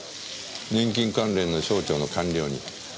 年金関連の省庁の官僚に。